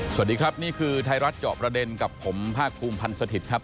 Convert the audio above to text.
สวัสดีครับนี่คือไทยรัฐเจาะประเด็นกับผมภาคภูมิพันธ์สถิตย์ครับ